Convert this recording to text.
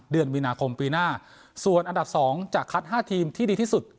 เดือนมีนาคมปีหน้าส่วนอันดับ๒จะคัด๕ทีมที่ดีที่สุด